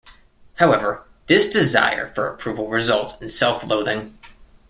However, this desire for approval results in self-loathing.